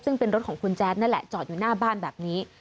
ซึ่งเป็นรถของคุณแจ๊ดนั่นแหละจอดอยู่หน้าบ้านแบบนี้